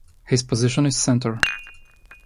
His position is centre.